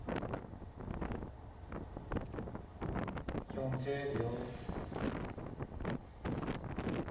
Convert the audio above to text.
４０秒。